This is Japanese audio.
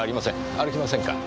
歩きませんか？